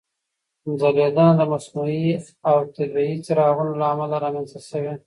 ځلېدنه د مصنوعي او طبیعي څراغونو له امله رامنځته شوې.